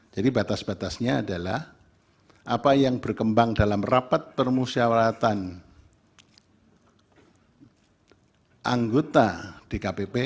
batas batasnya adalah apa yang berkembang dalam rapat permusyawaratan anggota dkpp